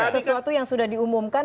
sesuatu yang sudah diumumkan